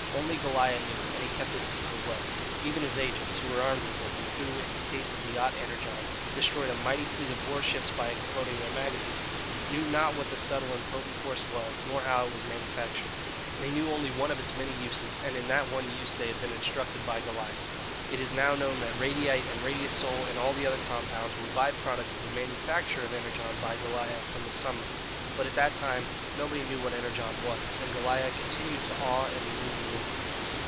Only Goliah knew, and he kept his secret well. Even his agents, who were armed with it, and who, in the case of the yacht Energon, destroyed a mighty fleet of war ships by exploding their magazines, knew not what the subtle and potent force was, nor how it was manufactured. They knew only one of its many uses, and in that one use they had been instructed by Goliah. It is now well known that radium, and radiyte, and radiosole, and all the other compounds, were by products of the manufacture of Energon by Goliah from the sunlight; but at that time nobody knew what Energon was, and Goliah continued to awe and rule the world.